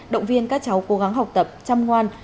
động viên các cháu cố gắng học tập chăm ngoan